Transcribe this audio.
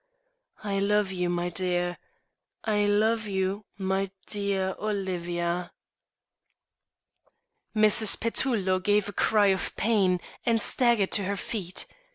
"I love you, my dear; I love you, my dear Olivia." Mrs. Petullo gave a cry of pain and staggered to her feet.